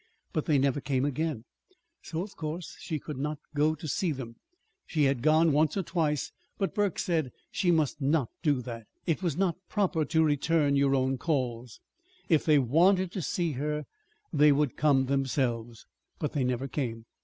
But they never came again, so of course she could not go to see them. She had gone, once or twice. But Burke said she must not do that. It was not proper to return your own calls. If they wanted to see her they would come themselves. But they never came.